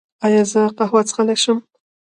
ایا زه قهوه څښلی شم؟